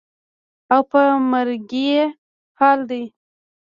او په مرګي حال دى.